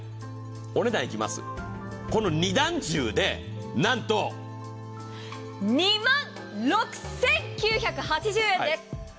お値段いきます、この２段重でなんと２万６９８０円です。